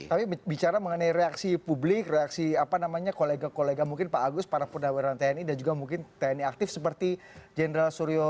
tapi bicara mengenai reaksi publik reaksi apa namanya kolega kolega mungkin pak agus para purnawiran tni dan juga mungkin tni aktif seperti general suryono